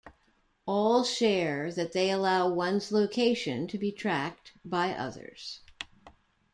All share that they allow one's location to be tracked by others.